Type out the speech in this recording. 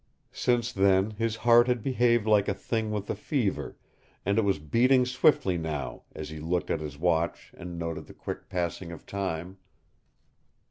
Since then his heart had behaved like a thing with the fever, and it was beating swiftly now as he looked at his watch and noted the quick passing of time.